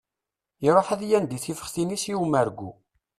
Iruḥ ad yandi tixeftin-is i umergu.